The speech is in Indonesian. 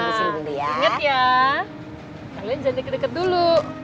ingat ya kalian jangan deket deket dulu oke